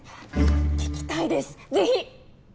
聞きたいです是非。